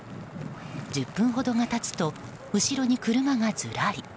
１０分ほどが経つと後ろに車がずらり。